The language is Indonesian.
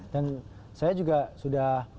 dan saya juga sudah